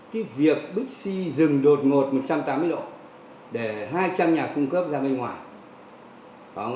cái việc bixi dừng đột ngột một trăm tám mươi độ để hai trăm linh nhà cung cấp ra bên ngoài